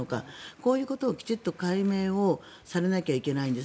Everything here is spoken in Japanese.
こういうことをきちんと解明をされなきゃいけないです。